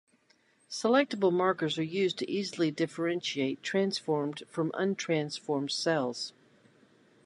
Selectable markers are used to easily differentiate transformed from untransformed cells.